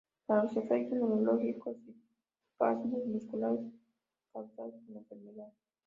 Para los efectos neurológicos y espasmos musculares causados por la enfermedad.